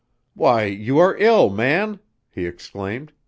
"Why, you are ill, man!" he exclaimed.